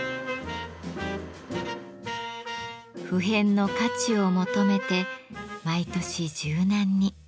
不変の価値を求めて毎年柔軟に。